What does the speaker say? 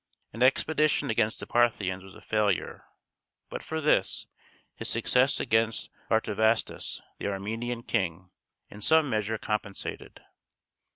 An expedition against the Parthians was a failure; but for this, his success against Artavasdes, the Armenian king, in some measure compensated.